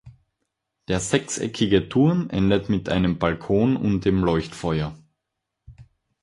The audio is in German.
Der sechseckige Turm endet mit einem Balkon und dem Leuchtfeuer.